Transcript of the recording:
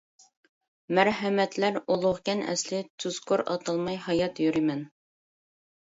مەرھەمەتلەر ئۇلۇغكەن ئەسلى، تۇزكور ئاتالماي ھايات يۈرىمەن.